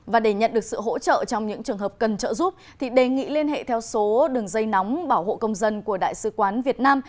và để nhận được sự hỗ trợ trong những trường hợp cần trợ giúp thì đề nghị liên hệ theo số đường dây nóng bảo hộ công dân của đại sứ quán việt nam